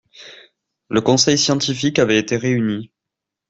Le conseil scientifique avait été réuni.